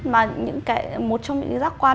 mà một trong những giác quan